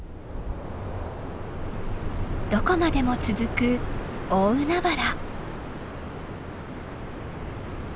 どこまでも続く大海原。